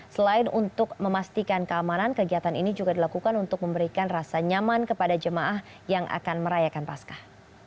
selain untuk memastikan keamanan kegiatan ini juga dilakukan untuk memberikan rasa nyaman kepada jemaah yang akan merayakan paskah